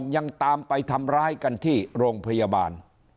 ยังตามไปทำร้ายกันที่โรงพยาบาล